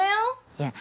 いや。